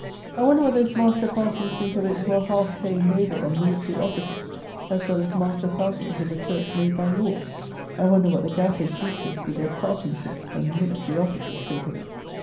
I wonder what those master parsons think of it, who are half pay naval, or military officers, as well as master parsons of the church made by law. I wonder what the Gaffer Gooches, with their parsonships and military offices, think of it.